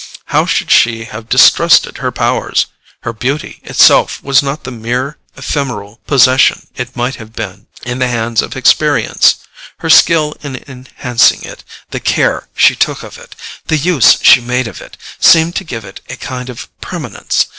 How should she have distrusted her powers? Her beauty itself was not the mere ephemeral possession it might have been in the hands of inexperience: her skill in enhancing it, the care she took of it, the use she made of it, seemed to give it a kind of permanence.